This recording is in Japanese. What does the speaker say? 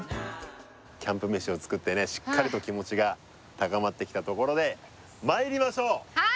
キャンプ飯を作ってねしっかりと気持ちが高まってきたところでまいりましょうはい！